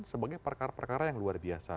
sebagai perkara perkara yang luar biasa